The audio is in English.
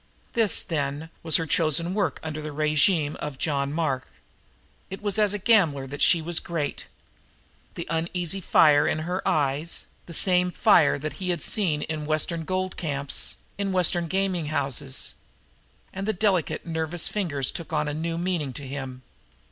This, then, was her chosen work under the régime of John Mark. It was as a gambler that she was great. The uneasy fire was in her eyes, the same fire that he had seen in Western gold camps, in Western gaming houses. And the delicate, nervous fingers now took on a new meaning to him.